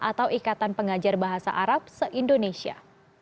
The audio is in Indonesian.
atau ikatan pengajar bahasa arab se indonesia